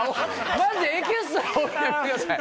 マジでエキストラおるのやめてください！